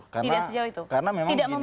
tidak sejauh itu karena memang tidak sejauh itu